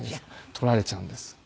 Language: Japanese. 取られちゃうんです。